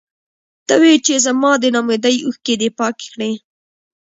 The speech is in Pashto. ته وې چې زما د نا اميدۍ اوښکې دې پاکې کړې.